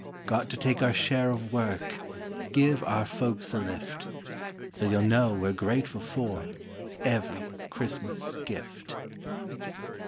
Got to take our share of work, Give our folks a lift. So you'll know we're grateful for Every Christmas gift.